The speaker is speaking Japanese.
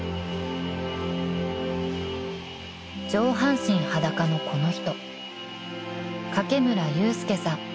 ［上半身裸のこの人］